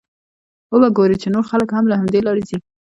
وبه ګورې چې نور خلک هم له همدې لارې ځي.